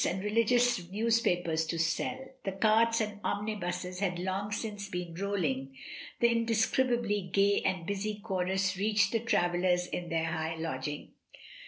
51 and religious newspapers to sell; the carts and omnibuses had long since been rolling; the in describably gay and busy chorus reached the travellers in their high lodging.